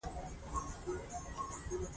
د شرمن قانون تر تصویب مخکې عریضې وړاندې شوې وې.